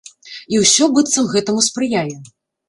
І ўсё, быццам, гэтаму спрыяе.